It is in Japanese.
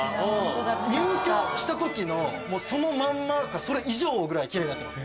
入居した時のそのまんまかそれ以上ぐらい奇麗になってます。